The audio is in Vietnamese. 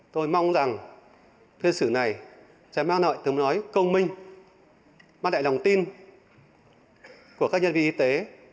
tôi mong rằng thuê sử này sẽ mang lại tiếng nói công minh mang lại lòng tin của các nhân viên y tế